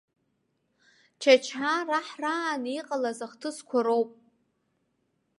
Чачаа раҳраан иҟалаз ахҭысқәа роуп.